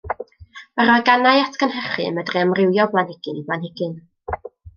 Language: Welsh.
Mae'r organau atgynhyrchu yn medru amrywio o blanhigyn i blanhigyn.